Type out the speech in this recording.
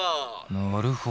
なるほど。